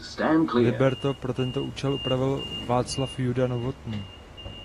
Libreto pro tento účel upravil Václav Juda Novotný.